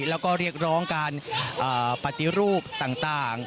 แล้วก็เรียกร้องการปฏิรูปต่าง